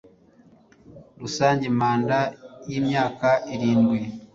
rusange manda y imyaka irindwi